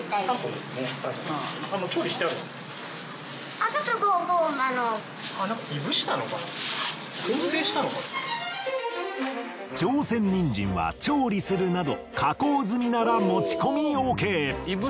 朝鮮人参は調理するなど加工済みなら持ち込みＯＫ。